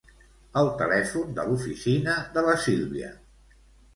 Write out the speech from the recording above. El telèfon de l'oficina de la Sílvia.